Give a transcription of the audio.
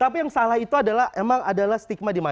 tapi yang salah itu adalah emang adalah stigma di mana